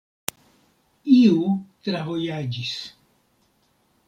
Iu travojaĝis.